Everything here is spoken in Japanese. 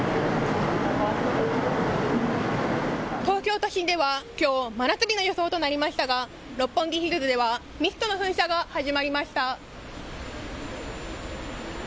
東京都心ではきょう真夏日の予想となりましたが六本木ヒルズではミストの噴射が始まりました。